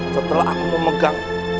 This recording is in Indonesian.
setelah aku memegang